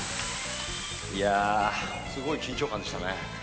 いやあすごい緊張感でしたね。